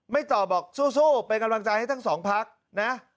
ต่อบอกสู้เป็นกำลังใจให้ทั้งสองพักนะ